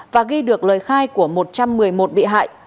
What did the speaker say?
và ghi được lời khai của một trăm một mươi một bị hại